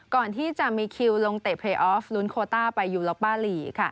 ก่อนที่จะมีคิวลงเตะเพยออฟลุ้นโคต้าไปยูล็อปป้าลี